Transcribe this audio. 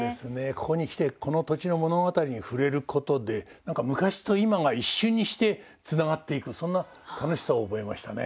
ここに来てこの土地の物語に触れることで何か昔と今が一瞬にしてつながっていくそんな楽しさを覚えましたね